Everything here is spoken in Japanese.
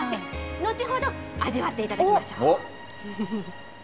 後ほど味わっていただきましょう。